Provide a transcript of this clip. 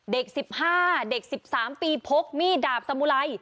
เด็กสิบห้าเด็กสิบสามมีดาบสมุไร